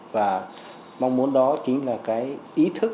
và mong muốn đó chính là cái ý thức